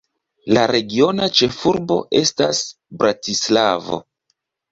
La regiona ĉefurbo estas Bratislavo.